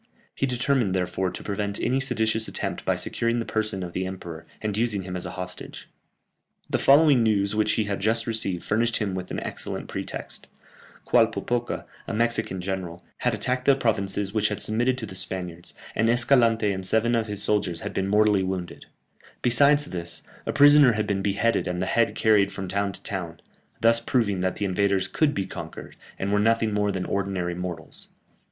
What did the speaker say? He determined, therefore, to prevent any seditious attempt by securing the person of the emperor, and using him as a hostage. The following news which he had just received furnished him with an excellent pretext: Qualpopoca, a Mexican general, had attacked the provinces which had submitted to the Spaniards, and Escalante and seven of his soldiers had been mortally wounded; besides this, a prisoner had been beheaded and the head carried from town to town, thus proving that the invaders could be conquered, and were nothing more than ordinary mortals.